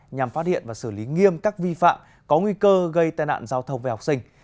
nhằm phát hiện và xử lý nghiêm các vi phạm có nguy cơ gây tai nạn giao thông về học sinh